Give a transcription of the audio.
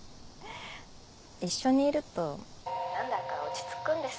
一緒にいると何だか落ち着くんです。